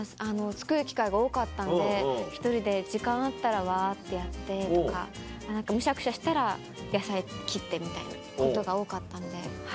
作る機会が多かったので１人で時間あったらわってやってとか何かむしゃくしゃしたら野菜切ってみたいなことが多かったのではい。